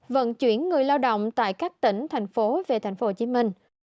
vận chuyển người lao động tại các tỉnh thành phố về thành phố hồ chí minh